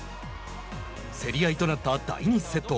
競り合いとなった第２セット。